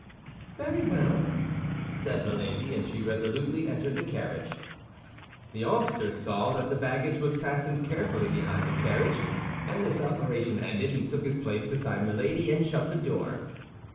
"Very well," said Milady; and she resolutely entered the carriage. The officer saw that the baggage was fastened carefully behind the carriage; and this operation ended, he took his place beside Milady, and shut the door.